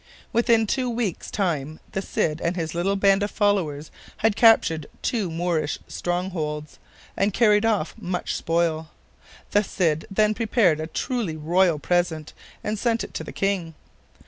Within two weeks' time the Cid and his little band of followers had captured two Moorish strongholds and carried off much spoil. The Cid then prepared a truly royal present and sent it to the king.